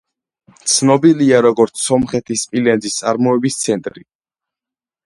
ცნობილია როგორც სომხეთის სპილენძის წარმოების ცენტრი.